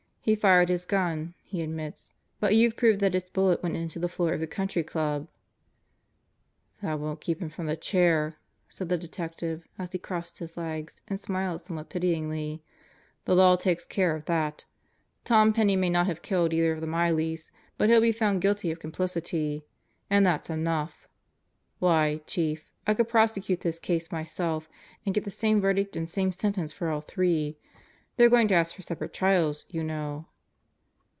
He fired his gun, he admits; but you've proved that its bullet went into the floor of the Country Club " "That won't keep him from the chair," said the Detective as he crossed his legs and smiled somewhat pityingly. "The law takes care of that. Tom Penney may not have killed either of the Mileys, but he'll be found guilty of complicity and that's enough. Why, Chief, I could prosecute this case myself and get the same verdict and same sentence for all three. They're going to ask for separate trials, you know."